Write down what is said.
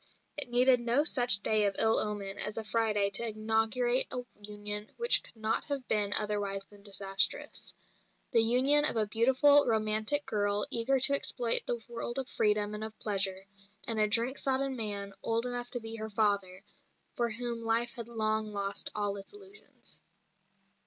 It needed no such day of ill omen as a Friday to inaugurate a union which could not have been otherwise than disastrous the union of a beautiful, romantic girl eager to exploit the world of freedom and of pleasure, and a drink sodden man old enough to be her father, for whom life had long lost all its illusions.